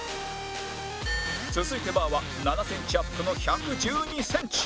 続いてバーは７センチアップの１１２センチ